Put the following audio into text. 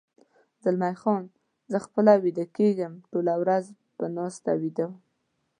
زلمی خان: زه خپله ویده کېږم، ټوله ورځ په ناسته ویده وم.